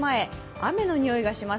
雨のにおいがします。